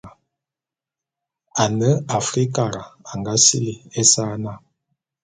Ane Afrikara a nga sili ésa na.